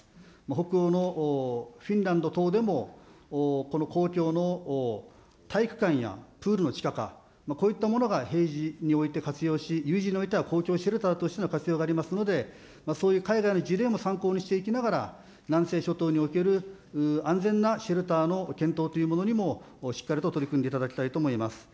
北欧のフィンランド等でも、この公共の体育館やプールの地下化、こういったものが平時において活用し、有事においては公共シェルターとしての活用がありますので、そういう海外の事例も参考にしていきながら、南西諸島における安全なシェルターの検討というものにも、しっかりと取り組んでいただきたいと思います。